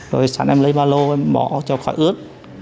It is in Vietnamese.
rồi sẵn em lấy ba lô em bỏ cho khỏi ướt